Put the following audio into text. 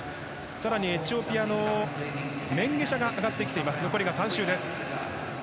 更に、エチオピアのメンゲシャが上がってきて残りが３周。